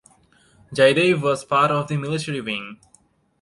Jaidev was part of the military wing.